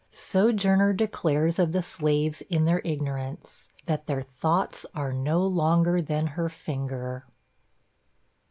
Sojourner declares of the slaves in their ignorance, that 'their thoughts are no longer than her finger.'